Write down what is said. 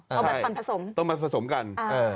เอาแบบมันผสมต้องมาผสมกัน